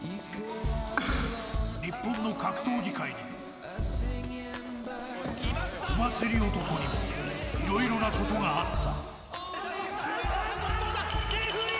日本の格闘技界にもお祭り漢にもいろいろなことがあった。